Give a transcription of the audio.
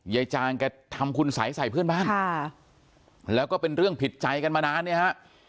จางแกทำคุณสัยใส่เพื่อนบ้านค่ะแล้วก็เป็นเรื่องผิดใจกันมานานเนี่ยฮะ